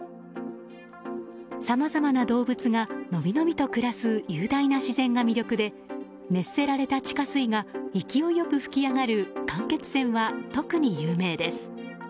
さまざまな動物がのびのびと暮らす雄大な自然が魅力で熱せられた地下水が勢いよく噴き上がる間欠泉は特に有名です。